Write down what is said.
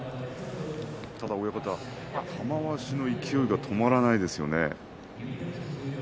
ただ親方、玉鷲の勢いが止まらないですよね。